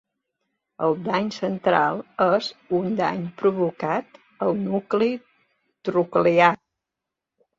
El dany central és un dany provocat al nucli troclear.